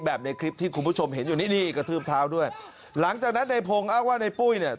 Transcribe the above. ในคลิปที่คุณผู้ชมเห็นอยู่นี่นี่กระทืบเท้าด้วยหลังจากนั้นในพงศ์อ้างว่าในปุ้ยเนี่ย